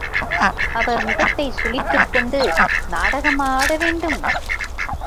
அவர் முகத்தைச் சுளித்துக்கொண்டு, நாடகமா ஆட வேண்டும்?